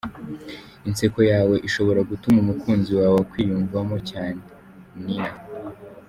"Inseko yawe ishobora gutuma umukunzi wawe akwiyumvamo cyane" Nina.